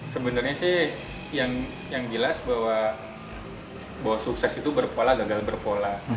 sebenarnya sih yang jelas bahwa sukses itu berpola gagal berpola